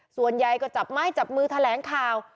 ส่วนใหญ่ก็จับไม้จับมือแถลงข่าว